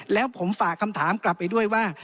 แล้วผมฝากคำถามกลับไปด้วยว่า